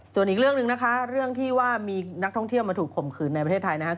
ส่วนอีกเรื่องหนึ่งนะคะเรื่องที่ว่ามีนักท่องเที่ยวมาถูกข่มขืนในประเทศไทยนะครับ